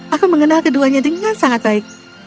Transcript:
aku mengenal keduanya dengan sangat baik